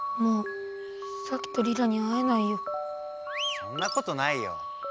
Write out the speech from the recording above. そんなことないよ。